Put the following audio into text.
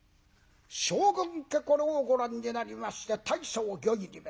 将軍家これをご覧になりまして大層御意に召す。